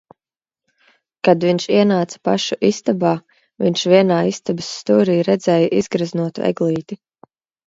Kad viņš ienāca pašu istabā, viņš vienā istabas stūrī redzēja izgreznotu eglīti.